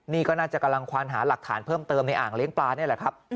นี่ก็น่าจะกำลังควานหาหลักฐานเพิ่มเติมในอ่างเลี้ยงปลานี่แหละครับ